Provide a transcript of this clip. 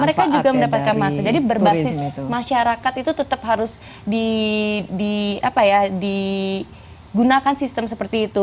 mereka juga mendapatkan masa jadi berbasis masyarakat itu tetap harus digunakan sistem seperti itu